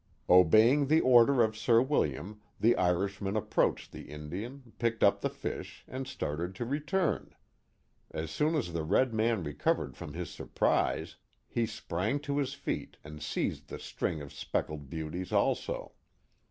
Obeying the order of Sir William the Irishman approached the Indian, picked up the fish, and started to return. As soon as the red man recovered from his surprise he sprang to his feet and seized the string of speckled beauties also.